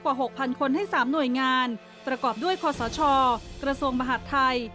กว่า๖๐๐คนให้๓หน่วยงานประกอบด้วยคอสชกระทรวงมหาดไทย